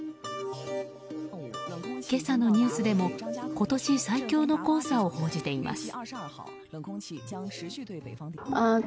今朝のニュースでも今年最強の黄砂を報じています。